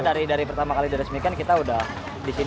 kalau kita dari pertama kali diresmikan kita sudah